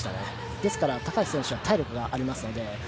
ですから高橋選手は体力がありますので。